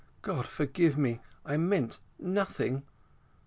God forgive me! I meant nothing."